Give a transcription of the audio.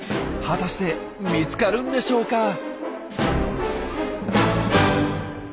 果たして見つかるんでしょうか？